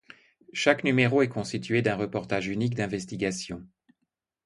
Chaque numéro est constitué d'un reportage unique d'investigation.